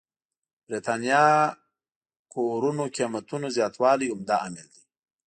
برېتانيا کورونو قېمتونو زياتوالی عمده عامل دی.